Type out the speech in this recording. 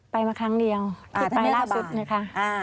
ไปมาครั้งเดียวที่ไปล่าสุดนะคะ